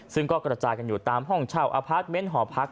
ซึ่งก็กระจายกันอยู่ตามห้องเช่าอพาร์ทเมนต์หอพัก